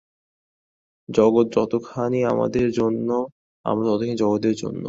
জগৎ যতখানি আমাদের জন্য, আমরাও ততখানি জগতের জন্য।